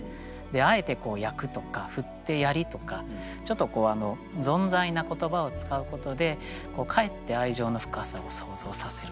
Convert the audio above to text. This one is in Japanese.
あえて「焼く」とか「振つてやり」とかちょっとぞんざいな言葉を使うことでかえって愛情の深さを想像させるんですかね。